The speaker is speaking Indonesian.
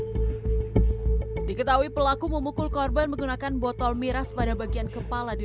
diketahui pelaku memukul korban menggunakan botol miras pada bagian kepala di